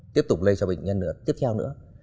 tiếp tục lây cho bệnh nhân tiếp theo nữa